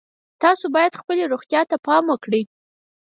تاسو باید خپلې روغتیا ته پام وکړئ